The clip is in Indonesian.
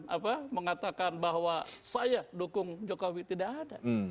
apa mengatakan bahwa saya dukung jokowi tidak ada